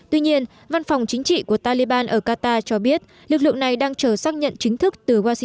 tuy nhiên văn phòng chính trị của taliban ở qatar cho biết lực lượng này đang chờ xác nhận chính thức từ washing